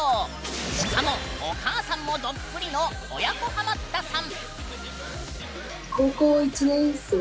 しかも、お母さんもどっぷりの親子ハマったさん。